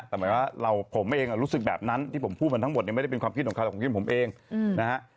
แต่หมายว่าเราผมเองรู้สึกแบบนั้นที่ผมพูดมาทั้งหมดเนี่ยไม่ได้เป็นความคิดของใครหรอกผมคิดผมเองนะฮะ